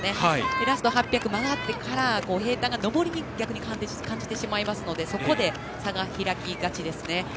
ラスト８００、曲がってから平たんが逆に上りに感じてしまいますのでそこで差が開きがちですね。